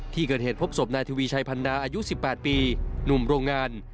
ที่เกิดเหตุพบศพนายทวีชัยพันนาอายุ๑๘ปีหนุ่มโรงงาน